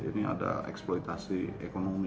ini ada eksploitasi ekonomi